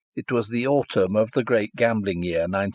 (It was in the autumn of the great gambling year, 1910.)